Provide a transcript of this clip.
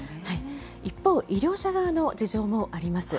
一方、医療者側の事情もあります。